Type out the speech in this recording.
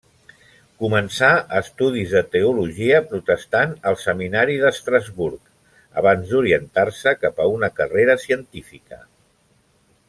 Començà estudis de teologia protestant al seminari d'Estrasburg abans d'orientar-se cap a una carrera científica.